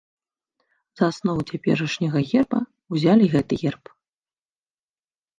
За аснову цяперашняга герба ўзялі гэты герб.